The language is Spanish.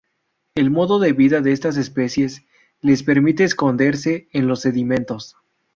El modo de vida de estas especies les permite esconderse en los sedimentos.